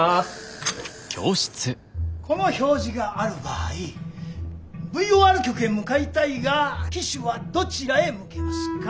この表示がある場合ＶＯＲ局へ向かいたいが機首はどちらへ向けますか？